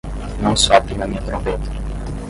Não sopre na minha trombeta.